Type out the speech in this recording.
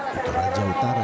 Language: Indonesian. kota raja utara